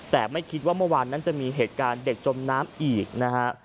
แต่ไม่คิดว่าเมื่อวานนั้นจะมีเหตุการณ์เด็กจมน้ำอีกนะฮะ